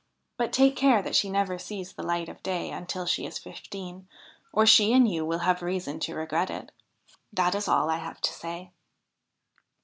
But take care that she never sees the light of day until she is fifteen, or she and you will have reason to regret it. That is all I have to say.'